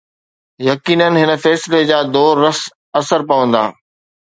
يقينن، هن فيصلي جا دور رس اثر پوندا.